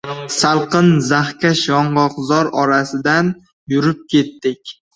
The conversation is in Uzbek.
Salqin, zaxkash yong‘oqzor orasidan yurib ketdik.